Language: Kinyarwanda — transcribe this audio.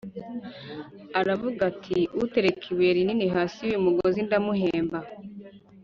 Aravuga ati; ’’Utereka ibuye rinini hasi y’uyu mugozi ndamuhemba